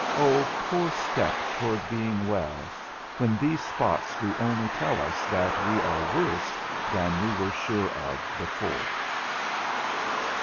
O poor step toward being well, when these spots do only tell us that we are worse than we were sure of before.